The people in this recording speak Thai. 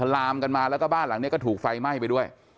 ลามกันมาแล้วก็บ้านหลังนี้ก็ถูกไฟไหม้ไปด้วย